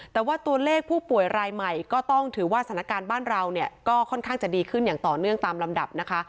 แต่ว่าตัวเลขผู้ป่วยรายใหม่ก็ต้องถือว่าสถานการณ์บ้านเราเนี่ยก็ค่อนข้างจะดีขึ้นอย่างต่อเนื่องตามลำดับนะคะ